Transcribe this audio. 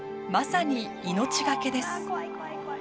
まさに、命懸けです。